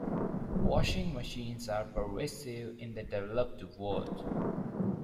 Washing machines are pervasive in the developed world.